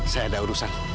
saya ada urusan